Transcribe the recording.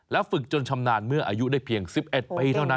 ฝึกจนชำนาญเมื่ออายุได้เพียง๑๑ปีเท่านั้น